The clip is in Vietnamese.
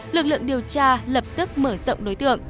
lực lượng điều tra lập tức mở rộng đối tượng